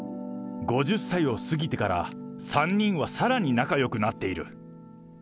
５０歳を過ぎてから、３人はさらに仲よくなっている。